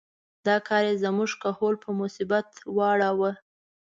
دا کار یې زموږ کهول په مصیبت واړاوه.